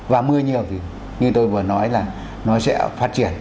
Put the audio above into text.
và mưa nhiều thì như tôi vừa nói là nó sẽ phát triển